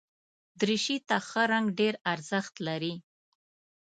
دریشي ته ښه رنګ ډېر ارزښت لري.